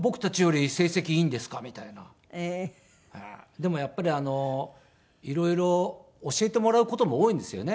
でもやっぱり色々教えてもらう事も多いんですよね